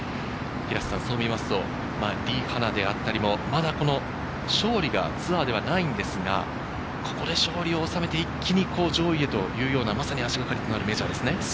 そう見ますと、リ・ハナであったりも、まだ勝利がツアーではないんですが、ここで勝利を収めて、一気に上位へと足がかりとなるメジャーですね。